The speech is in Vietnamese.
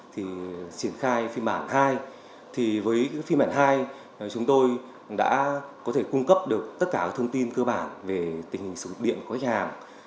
thì triển khai phiên bản hai với phiên bản hai chúng tôi đã có thể cung cấp được tất cả thông tin cơ bản về tình hình sử dụng điện của khách hàng